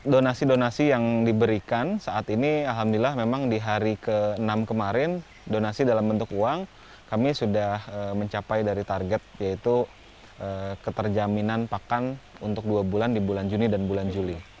donasi donasi yang diberikan saat ini alhamdulillah memang di hari ke enam kemarin donasi dalam bentuk uang kami sudah mencapai dari target yaitu keterjaminan pakan untuk dua bulan di bulan juni dan bulan juli